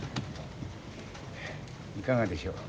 いかがでしょう？